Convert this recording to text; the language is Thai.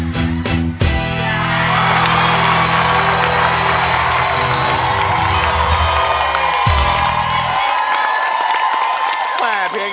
ของทุกคน